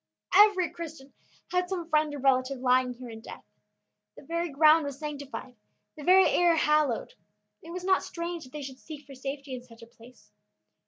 Every Christian had some friend or relative lying here in death. The very ground was sanctified, the very air hallowed. It was not strange that they should seek for safety in such a place.